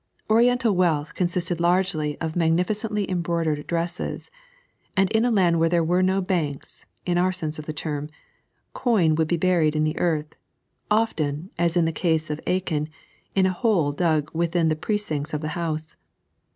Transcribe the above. Oriental wealth consisted largely of magnificently embroidered dresses ; and in a land where there were no banks (in our sense of the term) coin would be buried in the earth — often, ae in the case of Achan, in a hole dug within the precincts of the house.